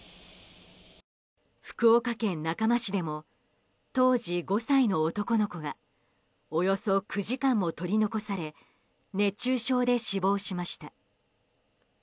福岡県中間市でも当時５歳の男の子がおよそ９時間も取り残され熱中症で死亡しました。